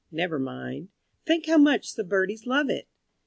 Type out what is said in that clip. Never mind Think how much the birdies love it!